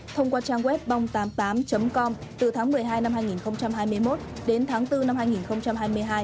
thông qua trang web bong tám mươi tám com từ tháng một mươi hai năm hai nghìn hai mươi một đến tháng bốn năm hai nghìn hai mươi hai